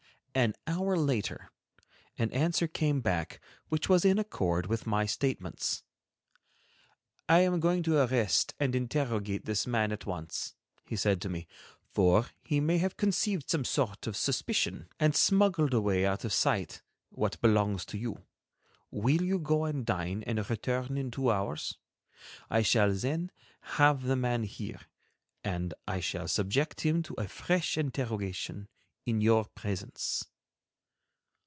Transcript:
An hour later, an answer came back, which was in accord with my statements. "I am going to arrest and interrogate this man, at once," he said to me, "for he may have conceived some sort of suspicion, and smuggled away out of sight what belongs to you. Will you go and dine and return in two hours: I shall then have the man here, and I shall subject him to a fresh interrogation in your presence."